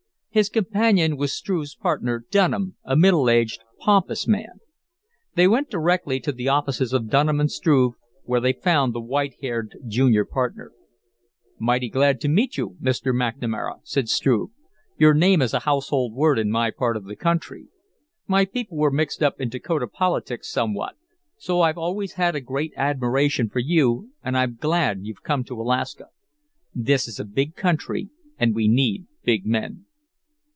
His companion was Struve's partner, Dunham, a middle aged, pompous man. They went directly to the offices of Dunham & Struve, where they found the white haired junior partner. "Mighty glad to meet you, Mr. McNamara," said Struve. "Your name is a household word in my part of the country. My people were mixed up in Dakota politics somewhat, so I've always had a great admiration for you and I'm glad you've come to Alaska. This is a big country and we need big men."